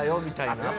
みたいな。